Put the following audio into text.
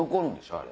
あれ。